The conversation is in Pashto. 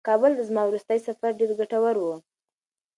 کابل ته زما وروستی سفر ډېر ګټور و.